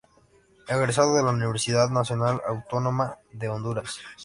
Egresado de la Universidad Nacional Autónoma de Honduras.